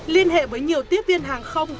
liên hệ với nhiều tiếp viên hàng không